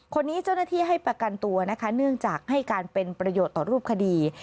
คนนี้เจ้าหน้าที่ให้ประกันตัวนะคะเนื่องจากให้การเป็นประโยชน์ต่อรูปคดี